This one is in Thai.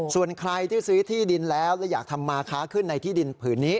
ส่วนใครที่ซื้อที่ดินแล้วและอยากทำมาค้าขึ้นในที่ดินผืนนี้